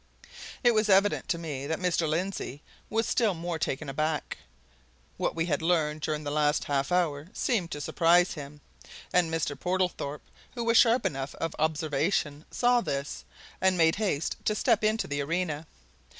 It was evident to me that Mr. Lindsey was still more taken aback. What we had learned during the last half hour seemed to surprise him. And Mr. Portlethorpe, who was sharp enough of observation, saw this, and made haste to step into the arena.